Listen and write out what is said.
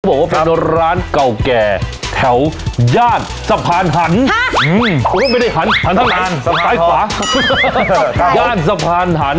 พูดว่าแพทย์โดยร้านเก่าแก่แถอย่านสะพานหันฮะไม่ได้หา